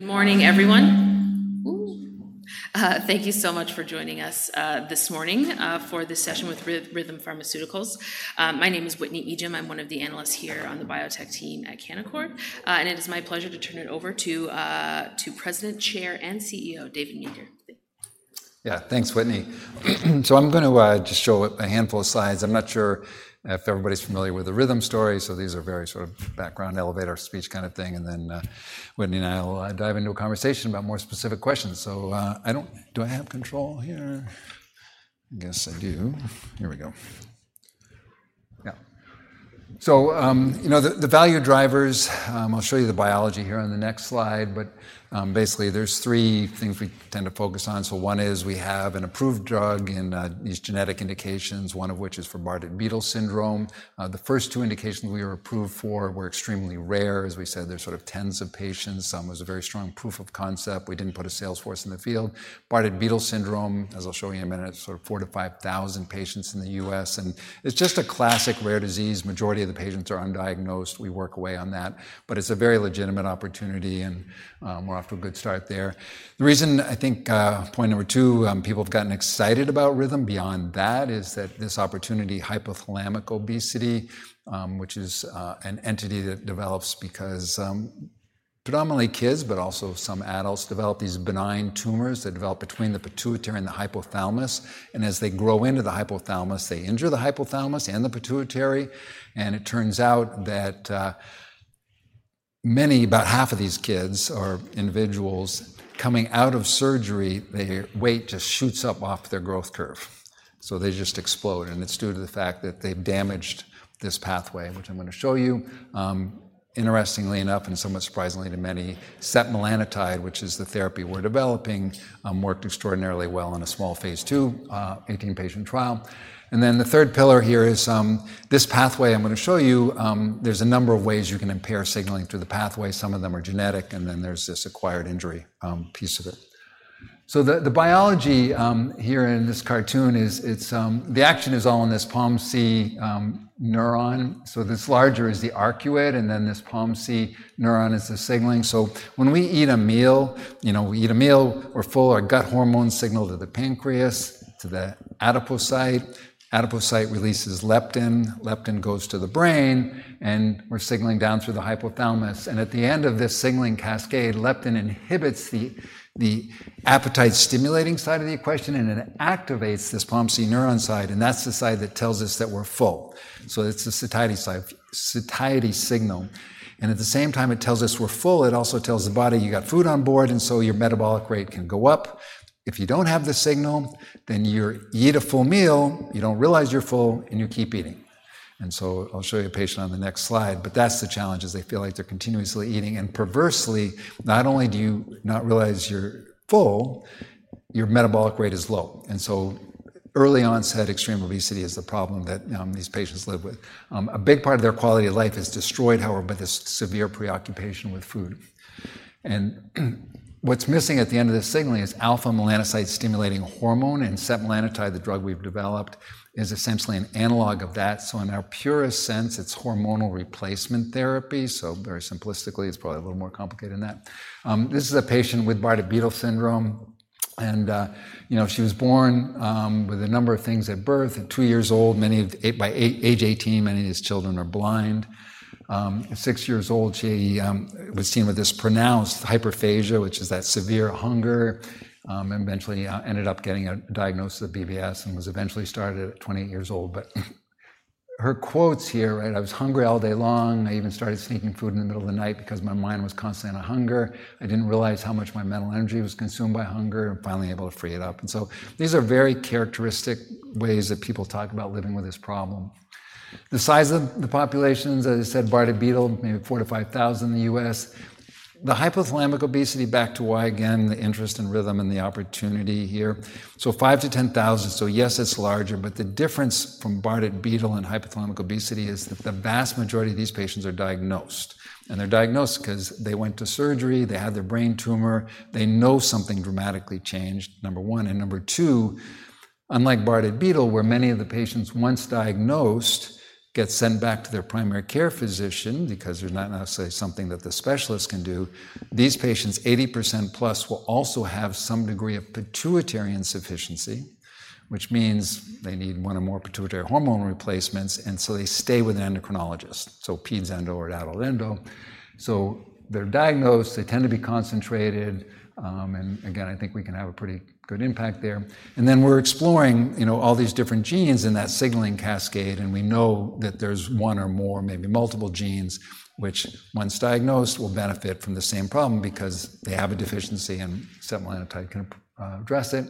Good morning, everyone. Thank you so much for joining us this morning for this session with Rhythm Pharmaceuticals. My name is Whitney Ijem. I'm one of the analysts here on the biotech team at Canaccord. It is my pleasure to turn it over to President, Chair, and CEO, David Meeker. Yeah. Thanks, Whitney. So I'm gonna just show a handful of slides. I'm not sure if everybody's familiar with the Rhythm story, so these are very sort of background, elevator speech kind of thing, and then, Whitney and I will dive into a conversation about more specific questions. So, I don't. Do I have control here? I guess I do. Here we go. Yeah. So, you know, the value drivers, I'll show you the biology here on the next slide, but, basically, there's three things we tend to focus on. So one is we have an approved drug in these genetic indications, one of which is for Bardet-Biedl syndrome. The first two indications we were approved for were extremely rare. As we said, they're sort of tens of patients. POMC was a very strong proof of concept. We didn't put a sales force in the field. Bardet-Biedl syndrome, as I'll show you in a minute, is sort of 4,000-5,000 patients in the U.S., and it's just a classic rare disease. Majority of the patients are undiagnosed. We work away on that, but it's a very legitimate opportunity, and we're off to a good start there. The reason, I think, point number two, people have gotten excited about Rhythm beyond that is that this opportunity, hypothalamic obesity, which is, an entity that develops because, predominantly kids, but also some adults, develop these benign tumors that develop between the pituitary and the hypothalamus, and as they grow into the hypothalamus, they injure the hypothalamus and the pituitary, and it turns out that, many, about half of these kids or individuals coming out of surgery, their weight just shoots up off their growth curve. So they just explode, and it's due to the fact that they've damaged this pathway, which I'm gonna show you. Interestingly enough, and somewhat surprisingly to many, setmelanotide, which is the therapy we're developing, worked extraordinarily well in a small phase II, 18-patient trial. And then the third pillar here is this pathway I'm gonna show you. There's a number of ways you can impair signaling through the pathway. Some of them are genetic, and then there's this acquired injury piece of it. So the biology here in this cartoon is, it's the action is all in this POMC neuron. So this larger is the arcuate, and then this POMC neuron is the signaling. So when we eat a meal, you know, we eat a meal, we're full, our gut hormones signal to the pancreas, to the adipocyte. Adipocyte releases leptin, leptin goes to the brain, and we're signaling down through the hypothalamus, and at the end of this signaling cascade, leptin inhibits the appetite-stimulating side of the equation, and it activates this POMC neuron side, and that's the side that tells us that we're full. So it's the satiety side, satiety signal, and at the same time it tells us we're full, it also tells the body, "You got food on board, and so your metabolic rate can go up." If you don't have the signal, then you eat a full meal, you don't realize you're full, and you keep eating. I'll show you a patient on the next slide, but that's the challenge, is they feel like they're continuously eating, and perversely, not only do you not realize you're full, your metabolic rate is low. Early-onset extreme obesity is the problem that these patients live with. A big part of their quality of life is destroyed, however, by this severe preoccupation with food. And what's missing at the end of this signaling is alpha-melanocyte-stimulating hormone, and setmelanotide, the drug we've developed, is essentially an analog of that. So in our purest sense, it's hormonal replacement therapy, so very simplistically. It's probably a little more complicated than that. This is a patient with Bardet-Biedl syndrome, and, you know, she was born with a number of things at birth. At 2 years old, many of by age 18, many of these children are blind. At 6 years old, she was seen with this pronounced hyperphagia, which is that severe hunger, and eventually ended up getting a diagnosis of BBS and was eventually started at 28 years old. But her quotes here, right, "I was hungry all day long. I even started sneaking food in the middle of the night because my mind was constantly on hunger I didn't realize how much my mental energy was consumed by hunger. I'm finally able to free it up." And so these are very characteristic ways that people talk about living with this problem. The size of the populations, as I said, Bardet-Biedl, maybe 4,000-5,000 in the U.S. The hypothalamic obesity, back to why, again, the interest in Rhythm and the opportunity here. So 5,000-10,000, so yes, it's larger, but the difference from Bardet-Biedl and hypothalamic obesity is that the vast majority of these patients are diagnosed, and they're diagnosed 'cause they went to surgery, they had their brain tumor. They know something dramatically changed, number 1, and number 2, unlike Bardet-Biedl, where many of the patients, once diagnosed, get sent back to their primary care physician because there's not necessarily something that the specialist can do. These patients, 80%+, will also have some degree of pituitary insufficiency, which means they need one or more pituitary hormone replacements, and so they stay with an endocrinologist, so peds endo or adult endo. So they're diagnosed. They tend to be concentrated, and again, I think we can have a pretty good impact there. And then we're exploring, you know, all these different genes in that signaling cascade, and we know that there's one or more, maybe multiple genes, which, once diagnosed, will benefit from the same problem because they have a deficiency, and setmelanotide can address it.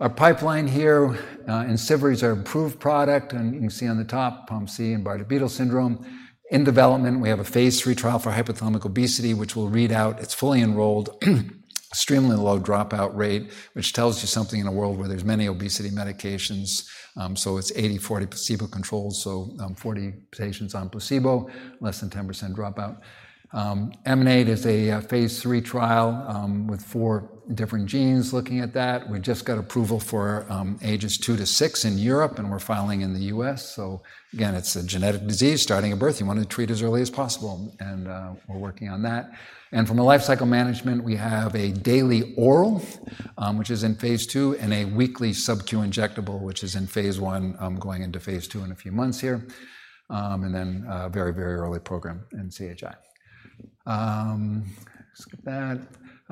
Our pipeline here, in series, our approved product, and you can see on the top, POMC and Bardet-Biedl syndrome. In development, we have a phase III trial for hypothalamic obesity, which will read out. It's fully enrolled, extremely low dropout rate, which tells you something in a world where there's many obesity medications. So it's 80-40 placebo-controlled, so 40 patients on placebo, less than 10% dropout. EMANATE is a phase III trial with 4 different genes looking at that. We just got approval for ages 2-6 in Europe, and we're filing in the U.S. So again, it's a genetic disease starting at birth. You want to treat as early as possible, and we're working on that. And from a life cycle management, we have a daily oral, which is in phase II, and a weekly subQ injectable, which is in phase I, going into phase II in a few months here. And then, very, very early program in CHI.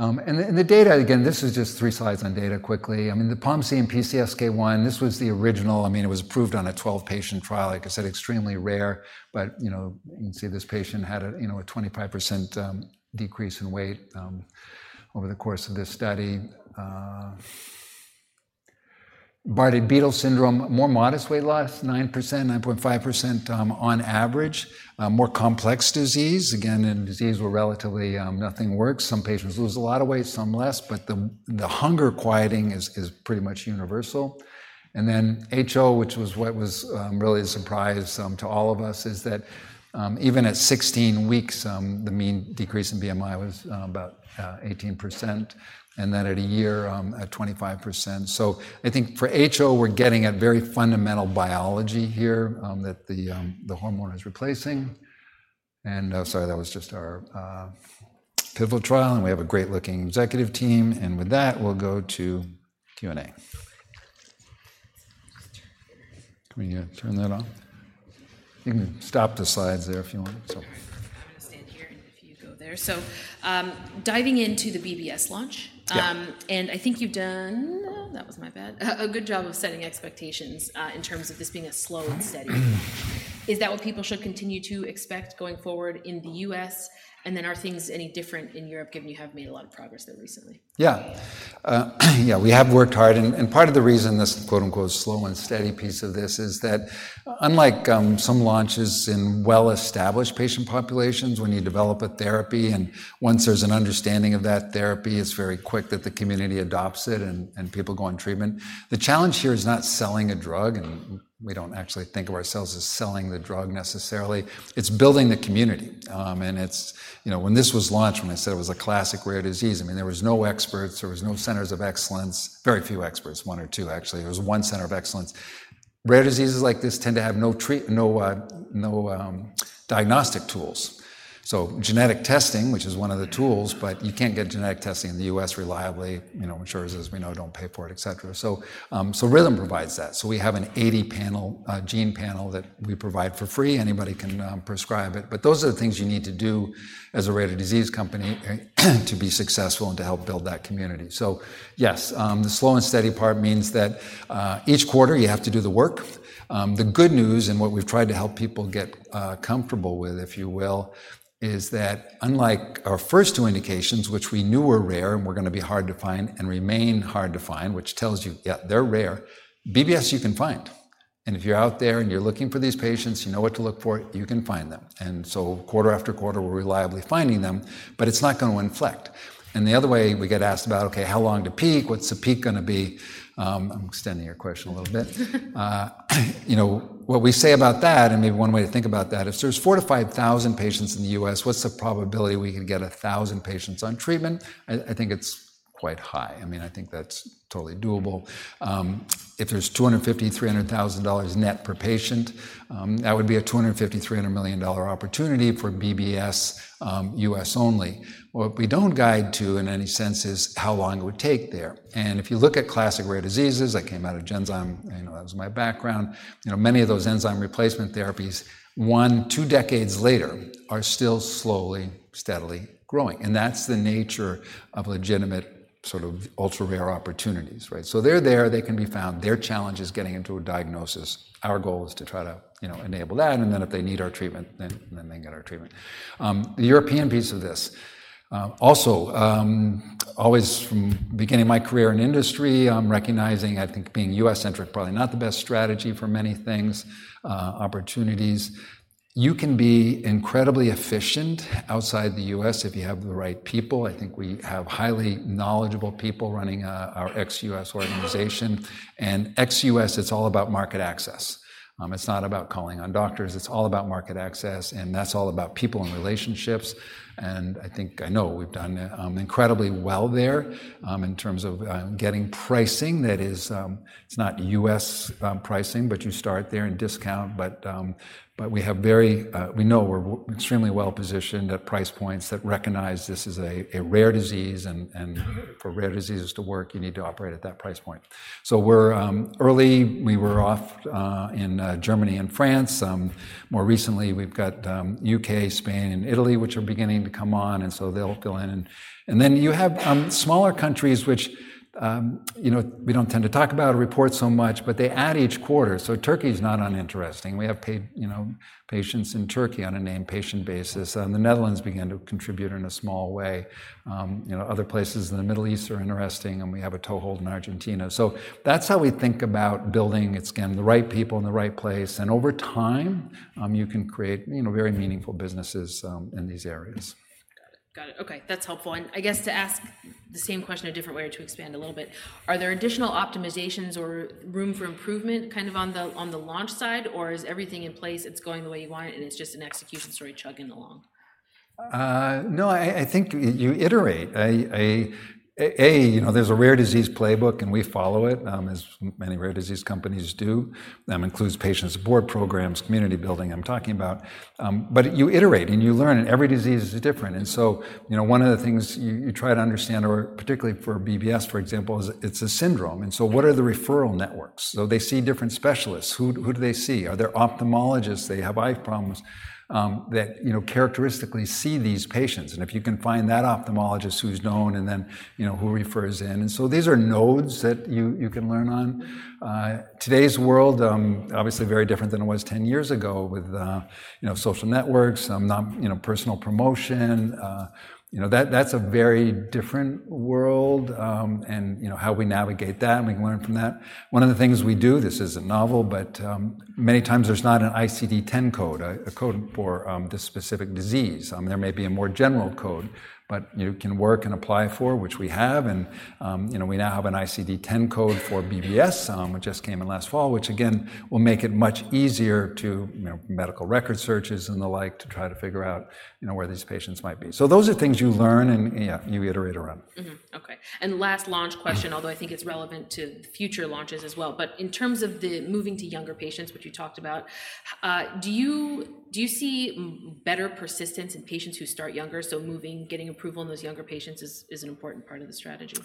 And the data, again, this is just 3 slides on data quickly. I mean, the POMC and PCSK1, this was the original. I mean, it was approved on a 12-patient trial. Like I said, extremely rare, but, you know, you can see this patient had a, you know, a 25% decrease in weight over the course of this study. Bardet-Biedl syndrome, more modest weight loss, 9%, 9.5% on average. More complex disease, again, in a disease where relatively, nothing works. Some patients lose a lot of weight, some less, but the hunger quieting is pretty much universal. And then HO, which was what was really a surprise to all of us, is that even at 16 weeks, the mean decrease in BMI was about 18%, and then at a year, at 25%. So I think for HO, we're getting at very fundamental biology here, that the hormone is replacing. And sorry, that was just our pivotal trial, and we have a great-looking executive team. And with that, we'll go to Q&A. Can we turn that off? You can stop the slides there if you want. It's okay. I'm going to stand here, and if you go there. So, diving into the BBS launch. And I think you've done. That was my bad. A good job of setting expectations, in terms of this being a slow and steady. Is that what people should continue to expect going forward in the U.S.? And then are things any different in Europe, given you have made a lot of progress there recently? Yeah. Yeah, we have worked hard, and, and part of the reason this, "slow and steady" piece of this is that unlike some launches in well-established patient populations, when you develop a therapy and once there's an understanding of that therapy, it's very quick that the community adopts it and, and people go on treatment. The challenge here is not selling a drug, and we don't actually think of ourselves as selling the drug necessarily. It's building the community. And it's you know, when this was launched, when I said it was a classic rare disease, I mean, there was no experts, there was no centers of excellence, very few experts, one or two, actually. There was one center of excellence. Rare diseases like this tend to have no diagnostic tools. So genetic testing, which is one of the tools, but you can't get genetic testing in the U.S. reliably. You know, insurers, as we know, don't pay for it, et cetera. So, so Rhythm provides that. So we have an 80-panel, gene panel that we provide for free. Anybody can, prescribe it, but those are the things you need to do as a rare disease company, to be successful and to help build that community. So yes, the slow and steady part means that, each quarter, you have to do the work. The good news, and what we've tried to help people get, comfortable with, if you will, is that unlike our first two indications, which we knew were rare and were gonna be hard to find and remain hard to find, which tells you, yeah, they're rare, BBS you can find. And if you're out there and you're looking for these patients, you know what to look for, you can find them. And so quarter after quarter, we're reliably finding them, but it's not gonna inflect. And the other way, we get asked about, "Okay, how long to peak? What's the peak gonna be?" I'm extending your question a little bit. You know, what we say about that, and maybe one way to think about that, if there's 4,000-5,000 patients in the U.S., what's the probability we can get 1,000 patients on treatment? I think it's quite high. I mean, I think that's totally doable. If there's $250,000-$300,000 net per patient, that would be a $250 million-$300 million dollar opportunity for BBS, U.S. only. What we don't guide to, in any sense, is how long it would take there. And if you look at classic rare diseases, I came out of Genzyme, and that was my background. You know, many of those enzyme replacement therapies, 1, 2 decades later, are still slowly, steadily growing, and that's the nature of legitimate, sort of, ultra-rare opportunities, right? So they're there. They can be found. Their challenge is getting into a diagnosis. Our goal is to try to, you know, enable that, and then if they need our treatment, then, then they get our treatment. The European piece of this, also, always from beginning my career in industry, recognizing, I think, being U.S.-centric, probably not the best strategy for many things, opportunities. You can be incredibly efficient outside the U.S. if you have the right people. I think we have highly knowledgeable people running our ex-U.S. organization. ex-U.S., it's all about market access. It's not about calling on doctors. It's all about market access, and that's all about people and relationships, and I think I know we've done incredibly well there in terms of getting pricing. That is, it's not U.S. pricing, but you start there and discount. But we know we're extremely well-positioned at price points that recognize this is a rare disease, and for rare diseases to work, you need to operate at that price point. So we're early. We were off in Germany and France. More recently, we've got U.K., Spain, and Italy, which are beginning to come on, and so they'll go in. And then you have smaller countries, which, you know, we don't tend to talk about or report so much, but they add each quarter. So Turkey is not uninteresting. We have you know, patients in Turkey on a named patient basis, and the Netherlands began to contribute in a small way. You know, other places in the Middle East are interesting, and we have a toehold in Argentina. So that's how we think about building. It's again, the right people in the right place, and over time, you can create, you know, very meaningful businesses in these areas. Got it. Okay, that's helpful. And I guess to ask the same question a different way or to expand a little bit, are there additional optimizations or room for improvement, kind of, on the launch side? Or is everything in place, it's going the way you want it, and it's just an execution story chugging along? No, I think you iterate. You know, there's a rare disease playbook, and we follow it, as many rare disease companies do. Includes patient support programs, community building I'm talking about. But you iterate, and you learn, and every disease is different. And so, you know, one of the things you try to understand, or particularly for BBS, for example, is it's a syndrome, and so what are the referral networks? So they see different specialists. Who do they see? Are there ophthalmologists, they have eye problems, that, you know, characteristically see these patients? And if you can find that ophthalmologist who's known and then, you know, who refers in. And so these are nodes that you can learn on. Today's world, obviously very different than it was 10 years ago with, you know, social networks, you know, personal promotion. You know, that, that's a very different world. And you know, how we navigate that, and we can learn from that. One of the things we do, this isn't novel, but, many times there's not an ICD-10 code, a code for, this specific disease. There may be a more general code, but you can work and apply for, which we have, and, you know, we now have an ICD-10 code for BBS, which just came in last fall, which again, will make it much easier to, you know, medical record searches and the like, to try to figure out, you know, where these patients might be. So those are things you learn, and yeah, you iterate around. Okay, and last launch question, although I think it's relevant to future launches as well. But in terms of the moving to younger patients, which you talked about, do you, do you see better persistence in patients who start younger? So moving, getting approval in those younger patients is an important part of the strategy.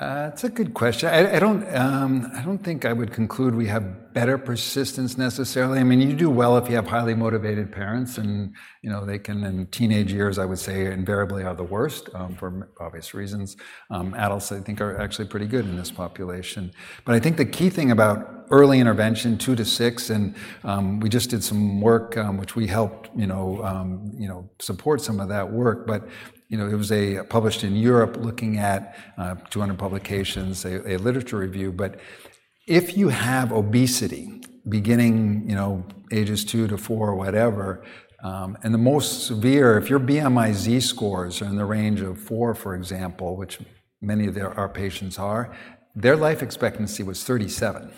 It's a good question. I, I don't, I don't think I would conclude we have better persistence necessarily. I mean, you do well if you have highly motivated parents and, you know, they can, in teenage years, I would say invariably are the worst, for obvious reasons. Adults, I think, are actually pretty good in this population. But I think the key thing about early intervention, 2-6, and, we just did some work, which we helped, you know, you know, support some of that work. But, you know, it was a, published in Europe looking at, 200 publications, a literature review. But if you have obesity beginning, you know, ages 2-4 or whatever, and the most severe, if your BMI Z-scores are in the range of 4, for example, which many of their, our patients are, their life expectancy was 37.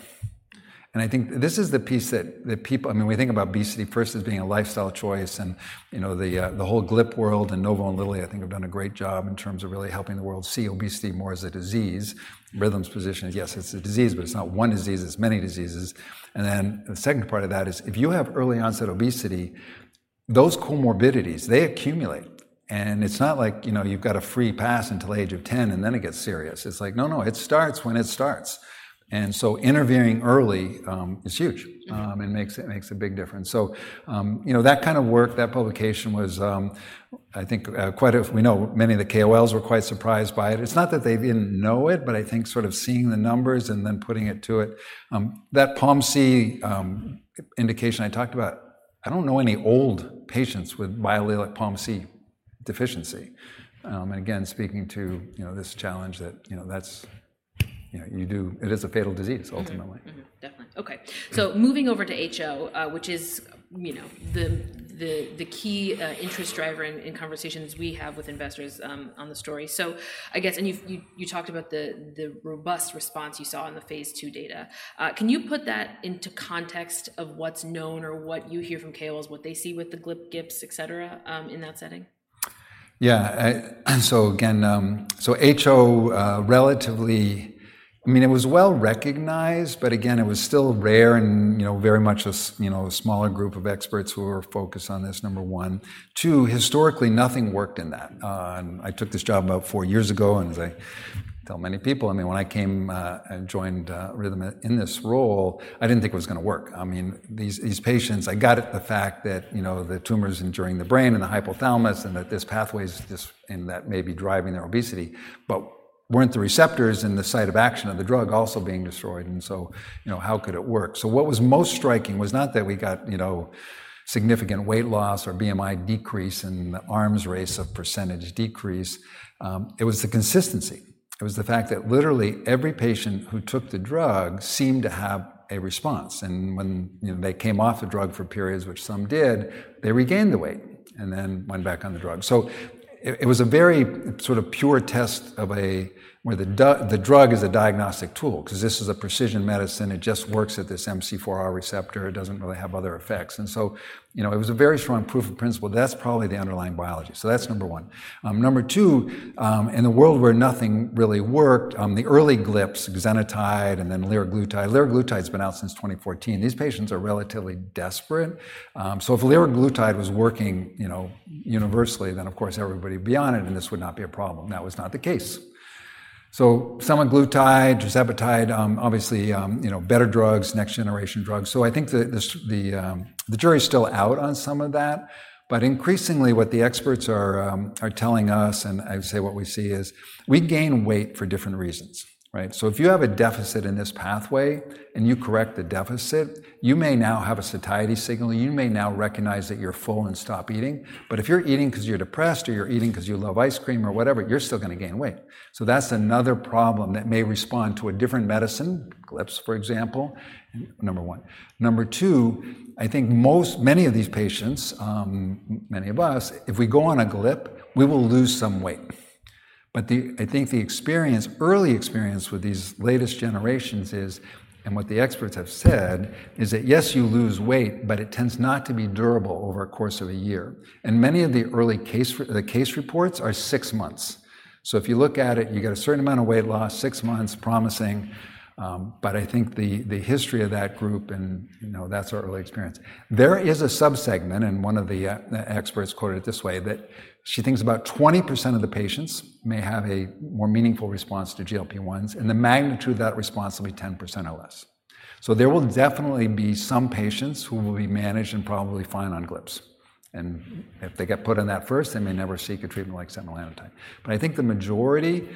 And I think this is the piece that people, I mean, we think about obesity first as being a lifestyle choice, and, you know, the whole GLP world and Novo and Lilly, I think, have done a great job in terms of really helping the world see obesity more as a disease. Rhythm's position is, yes, it's a disease, but it's not one disease, it's many diseases. Then the second part of that is if you have early-onset obesity, those comorbidities, they accumulate, and it's not like, you know, you've got a free pass until the age of 10, and then it gets serious. It's like, no, no, it starts when it starts. And so intervening early is huge, and makes a big difference. So, you know, that kind of work, that publication was, I think, we know many of the KOLs were quite surprised by it. It's not that they didn't know it, but I think sort of seeing the numbers and then putting it to it. That POMC indication I talked about, I don't know any old patients with biallelic POMC deficiency. And again, speaking to, you know, this challenge that, you know, that's, you know, it is a fatal disease, ultimately. Definitely. Okay, so moving over to HO, which is, you know, the key interest driver in conversations we have with investors, on the story. So I guess, and you talked about the robust response you saw in the phase II data. Can you put that into context of what's known or what you hear from KOLs, what they see with the GLP-1/GIPs, etc., in that setting? Yeah, so again, so HO, relatively, I mean, it was well recognized, but again, it was still rare and, you know, very much a smaller group of experts who were focused on this, number one. Two, historically, nothing worked in that. And I took this job about 4 years ago, and as I tell many people, I mean, when I came and joined Rhythm in this role, I didn't think it was gonna work. I mean, these, these patients, I got it, the fact that, you know, the tumors injuring the brain and the hypothalamus and that this pathway is just and that may be driving their obesity. But weren't the receptors and the site of action of the drug also being destroyed, and so, you know, how could it work? So what was most striking was not that we got, you know, significant weight loss or BMI decrease in the arms race of percentage decrease. It was the consistency. It was the fact that literally every patient who took the drug seemed to have a response. And when, you know, they came off the drug for periods, which some did, they regained the weight and then went back on the drug. So it was a very sort of pure test of a, where the drug is a diagnostic tool because this is a precision medicine. It just works at this MC4R receptor. It doesn't really have other effects. And so, you know, it was a very strong proof of principle. That's probably the underlying biology. So that's number one. Number 2, in the world where nothing really worked, the early GLPs, exenatide and then liraglutide. Liraglutide's been out since 2014. These patients are relatively desperate. So if liraglutide was working, you know, universally, then, of course, everybody would be on it, and this would not be a problem. That was not the case. So semaglutide, tirzepatide, obviously, you know, better drugs, next-generation drugs. So I think the jury is still out on some of that. But increasingly, what the experts are telling us, and I'd say what we see is, we gain weight for different reasons, right? So if you have a deficit in this pathway, and you correct the deficit, you may now have a satiety signal, you may now recognize that you're full and stop eating. But if you're eating 'cause you're depressed or you're eating 'cause you love ice cream or whatever, you're still gonna gain weight. So that's another problem that may respond to a different medicine, GLPs, for example, number one. Number two, I think most, many of these patients, many of us, if we go on a GLP, we will lose some weight. But the, I think the experience, early experience with these latest generations is, and what the experts have said, is that, yes, you lose weight, but it tends not to be durable over a course of a year. And many of the case reports are six months. So if you look at it, you get a certain amount of weight loss, six months promising, but I think the, the history of that group and, you know, that's our early experience. There is a subsegment, and one of the, the experts quoted it this way, that she thinks about 20% of the patients may have a more meaningful response to GLP-1s, and the magnitude of that response will be 10% or less. So there will definitely be some patients who will be managed and probably fine on GLPs. And if they get put on that first, they may never seek a treatment like setmelanotide. But I think the majority,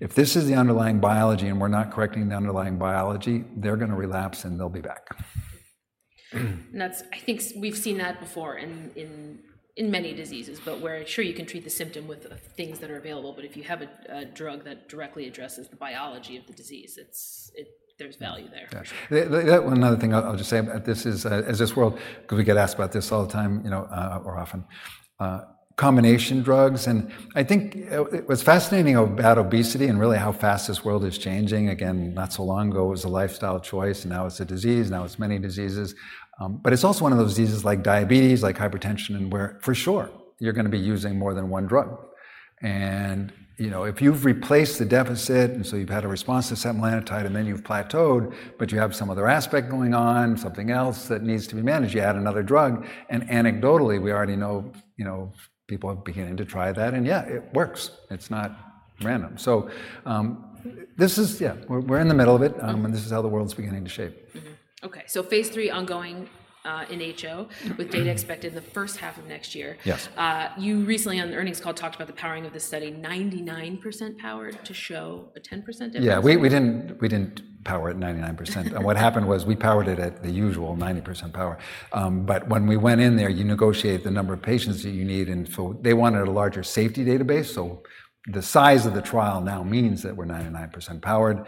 if this is the underlying biology and we're not correcting the underlying biology, they're gonna relapse, and they'll be back. That's, I think we've seen that before in many diseases, but where, sure, you can treat the symptom with the things that are available, but if you have a drug that directly addresses the biology of the disease, it's - there's value there. Gotcha. Another thing I'll just say about this is, as this world, 'cause we get asked about this all the time, you know, or often. Combination drugs, and I think, what's fascinating about obesity and really how fast this world is changing, again, not so long ago, it was a lifestyle choice, and now it's a disease. Now, it's many diseases. But it's also one of those diseases like diabetes, like hypertension, and where for sure, you're gonna be using more than one drug. And, you know, if you've replaced the deficit, and so you've had a response to setmelanotide, and then you've plateaued, but you have some other aspect going on, something else that needs to be managed, you add another drug. And anecdotally, we already know, you know, people are beginning to try that, and yeah, it works. It's not random. So, this is, yeah, we're, we're in the middle of it, and this is how the world's beginning to shape. Okay, so phase III ongoing in HO with data expected in the first half of next year. You recently on the earnings call, talked about the powering of the study, 99% powered to show a 10% difference? Yeah, we didn't power at 99%. What happened was we powered it at the usual 90% power. But when we went in there, you negotiate the number of patients that you need, and so they wanted a larger safety database. So the size of the trial now means that we're 99% powered,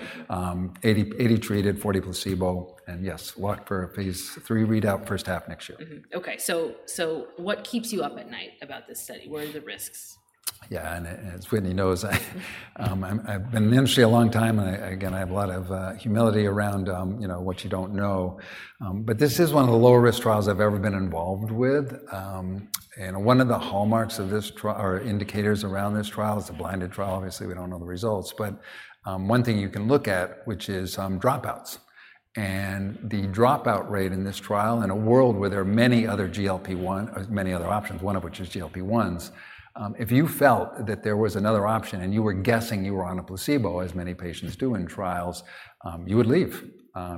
80 treated, 40 placebo, and yes, locked for a phase III readout first half next year. Okay, so, so what keeps you up at night about this study? What are the risks? Yeah, and as Whitney knows, I, I'm, I've been in the industry a long time, and I, again, I have a lot of, humility around, you know, what you don't know. But this is one of the lower-risk trials I've ever been involved with. And one of the hallmarks of this trial or indicators around this trial, it's a blinded trial. Obviously, we don't know the results, but, one thing you can look at, which is, dropouts. And the dropout rate in this trial, in a world where there are many other GLP-1 or many other options, one of which is GLP-1s, if you felt that there was another option, and you were guessing you were on a placebo, as many patients do in trials, you would leave.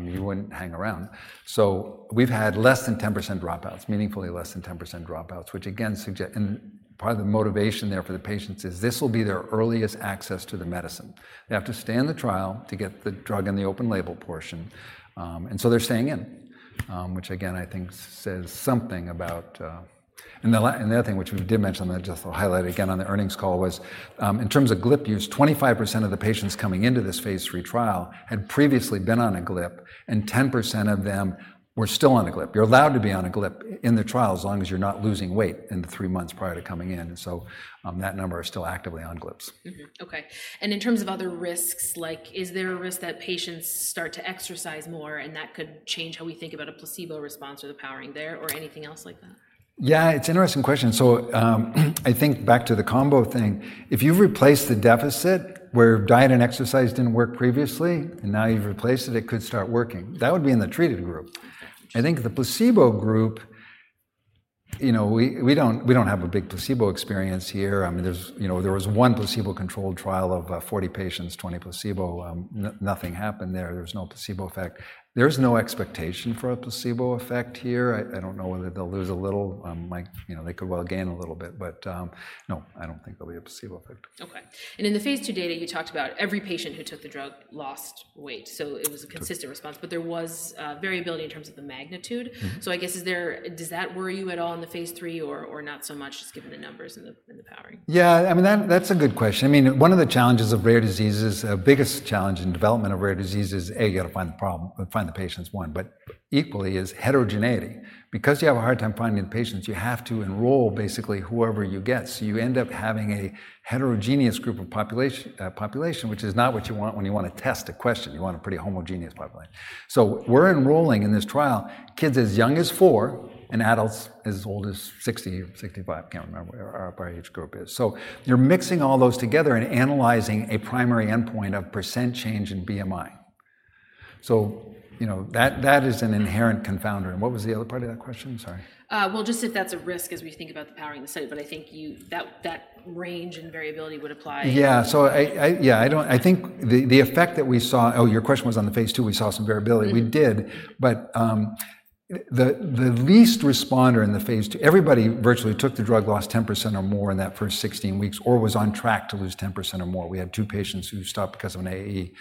You wouldn't hang around. So we've had less than 10% dropouts, meaningfully less than 10% dropouts, which again suggests and part of the motivation there for the patients is this will be their earliest access to the medicine. They have to stay in the trial to get the drug in the open-label portion. And so they're staying in, which again, I think says something about... And the other thing, which we did mention, that I just will highlight again on the earnings call, was, in terms of GLP use, 25% of the patients coming into this phase III trial had previously been on a GLP, and 10% of them were still on a GLP. You're allowed to be on a GLP in the trial, as long as you're not losing weight in the three months prior to coming in. That number is still actively on GLPs. Okay, and in terms of other risks, like is there a risk that patients start to exercise more, and that could change how we think about a placebo response or the powering there or anything else like that? Yeah, it's an interesting question. So, I think back to the combo thing, if you've replaced the deficit where diet and exercise didn't work previously, and now you've replaced it, it could start working. That would be in the treated group. I think the placebo group, you know, we, we don't, we don't have a big placebo experience here. I mean, there's, you know, there was one placebo-controlled trial of, 40 patients, 20 placebo. Nothing happened there. There was no placebo effect. There's no expectation for a placebo effect here. I, I don't know whether they'll lose a little. Like, you know, they could well gain a little bit, but, no, I don't think there'll be a placebo effect. Okay, and in the phase II data, you talked about every patient who took the drug lost weight, so it was- a consistent response, but there was, variability in terms of the magnitude. So I guess, did that worry you at all in the phase III or, or not so much, just given the numbers and the, and the powering? Yeah, I mean, that, that's a good question. I mean, one of the challenges of rare diseases, the biggest challenge in development of rare disease is, A, you gotta find the problem, find the patients, one, but equally is heterogeneity. Because you have a hard time finding the patients, you have to enroll basically whoever you get. So you end up having a heterogeneous group of population, which is not what you want when you wanna test a question. You want a pretty homogeneous population. So we're enrolling in this trial, kids as young as 4 and adults as old as 60 or 65. I can't remember where our upper age group is. So you're mixing all those together and analyzing a primary endpoint of % change in BMI. So, you know, that, that is an inherent confounder. And what was the other part of that question? Sorry. Well, just if that's a risk as we think about the powering of the study, but I think that range and variability would apply. Yeah, so I, Yeah, I don't think the effect that we saw. Oh, your question was on the phase II. We saw some variability. We did, but the least responder in the phase II, everybody virtually took the drug lost 10% or more in that first 16 weeks or was on track to lose 10% or more. We had two patients who stopped because of an AE.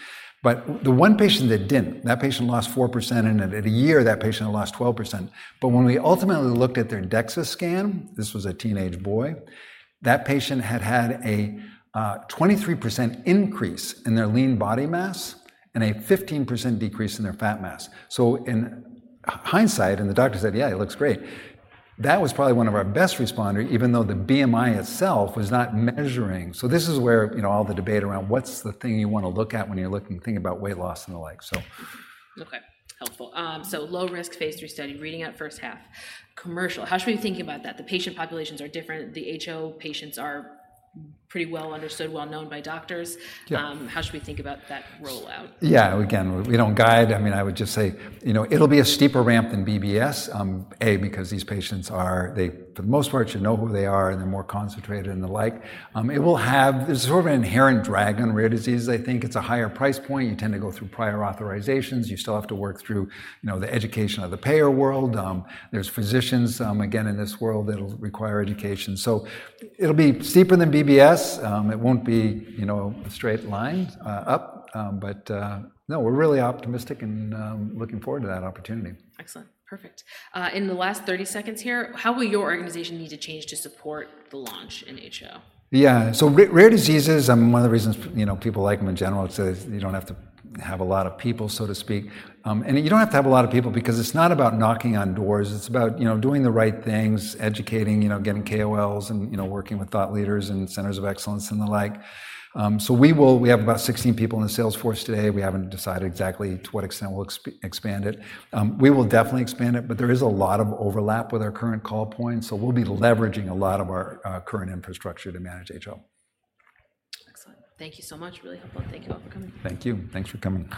But the one patient that didn't, that patient lost 4%, and at a year, that patient lost 12%. But when we ultimately looked at their DEXA scan, this was a teenage boy, that patient had a 23% increase in their lean body mass and a 15% decrease in their fat mass. So in hindsight, and the doctor said, "Yeah, it looks great," that was probably one of our best responder, even though the BMI itself was not measuring. This is where, you know, all the debate around what's the thing you wanna look at when you're looking, thinking about weight loss and the like, so. Okay. Helpful. So low risk phase III study, reading out first half. Commercial, how should we be thinking about that? The patient populations are different. The HO patients are pretty well understood, well known by doctors. How should we think about that rollout? Yeah, again, we don't guide. I mean, I would just say, you know, it'll be a steeper ramp than BBS, because these patients are, they, for the most part, should know who they are, and they're more concentrated and the like. It will have this sort of inherent drag on rare disease. I think it's a higher price point. You tend to go through prior authorizations. You still have to work through, you know, the education of the payer world. There's physicians, again, in this world that'll require education. So it'll be steeper than BBS. It won't be, you know, a straight line up, but no, we're really optimistic and looking forward to that opportunity. Excellent. Perfect. In the last 30 seconds here, how will your organization need to change to support the launch in HO? Yeah. So rare diseases, one of the reasons, you know, people like them in general is that you don't have to have a lot of people, so to speak. And you don't have to have a lot of people because it's not about knocking on doors. It's about, you know, doing the right things, educating, you know, getting KOLs and, you know, working with thought leaders and centers of excellence and the like. So we have about 16 people in the sales force today. We haven't decided exactly to what extent we'll expand it. We will definitely expand it, but there is a lot of overlap with our current call points, so we'll be leveraging a lot of our current infrastructure to manage HO. Excellent. Thank you so much. Really helpful. Thank you all for coming. Thank you. Thanks for coming.